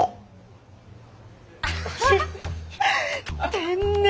天然！